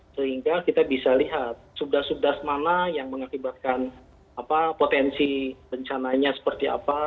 sehingga kita bisa lihat subdas subdas mana yang mengakibatkan potensi bencananya seperti apa